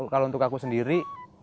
kalau untuk aku sendiri